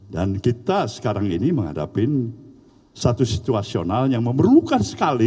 dan kita sekarang ini menghadapi satu situasional yang memerlukan sekali